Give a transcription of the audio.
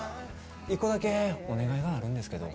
一個だけお願いがあるんですけど。